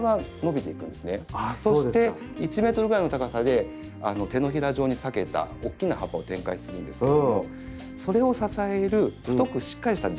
そして１ｍぐらいの高さで手のひら状に裂けた大きな葉っぱを展開するんですけどもそれを支える太くしっかりした軸があるんです葉柄。